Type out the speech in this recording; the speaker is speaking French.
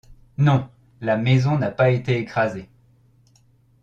Non! la maison n’a pas été écrasée !